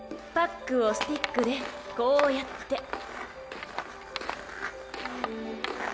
パックをスティックでこうやって。